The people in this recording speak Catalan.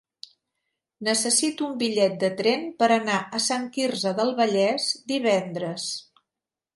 Necessito un bitllet de tren per anar a Sant Quirze del Vallès divendres.